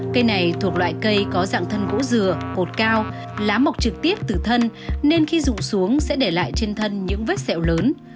cây này thuộc loại cây có dạng thân gỗ dừa cột cao lá mọc trực tiếp từ thân nên khi rụng xuống sẽ để lại trên thân những vết sẹo lớn